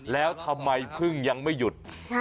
แล้วทำไมพึ่งยังไม่หยุด